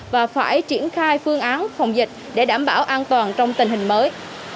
và phải triển khai phương án phòng dịch để đảm bảo an toàn trong tình hình mới